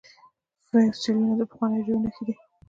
فوسیلیونه د پخوانیو ژویو نښې دي